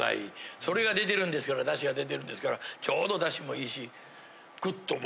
それが出てるんですから出汁が出てるんですからちょうど出汁も良いし。